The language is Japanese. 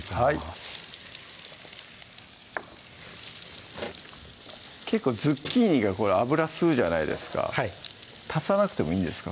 はい結構ズッキーニが油吸うじゃないですか足さなくてもいいんですか？